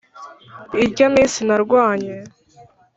irya minsi narwanye